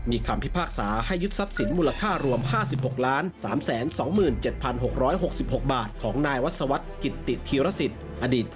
ในปลายทางของคนโกง